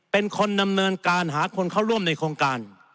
เป็นคนดำเนินการหาคนเข้าร่วมในโครงการ